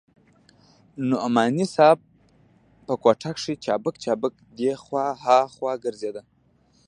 نعماني صاحب په کوټه کښې چابک چابک دې خوا ها خوا ګرځېده.